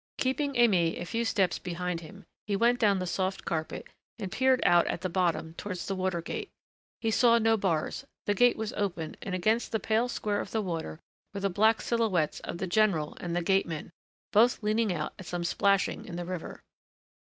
Keeping Aimée a few steps behind him, he went down the soft carpet and peered out at the bottom towards the water gate. He saw no bars; the gate was open and against the pale square of the water were the black silhouettes of the general and the gateman, both leaning out at some splashing in the river.